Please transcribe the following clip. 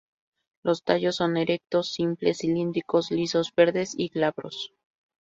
Los tallos son erectos, simples, cilíndricos, lisos, verdes y glabros.